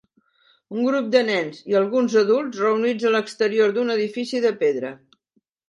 Un grup de nens i alguns adults reunits a l'exterior d'uns edificis de pedra.